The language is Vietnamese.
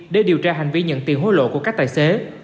để điều tra hành vi nhận tiền hối lộ của các tài xế